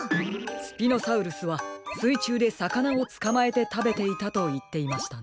スピノサウルスはすいちゅうでさかなをつかまえてたべていたといっていましたね。